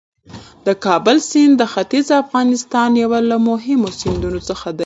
د کابل سیند د ختیځ افغانستان یو له مهمو سیندونو څخه دی.